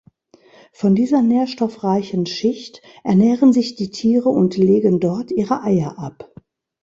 Von dieser nährstoffreichen Schicht ernähren sich die Tiere und legen dort ihre Eier ab.